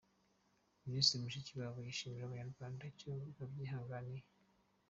Minisitiri Mushikiwabo yashimiye Abanyarwanda icyo babyihanganiye.